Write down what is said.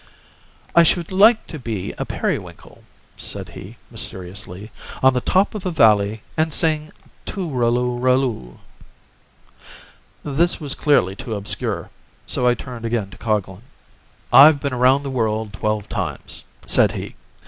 "I should like to be a periwinkle," said he, mysteriously, "on the top of a valley, and sing tooralloo ralloo." This was clearly too obscure, so I turned again to Coglan. "I've been around the world twelve times," said he.